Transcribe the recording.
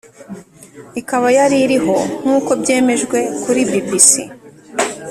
ikaba yari iriho nk' uko byemejwe kuri bbc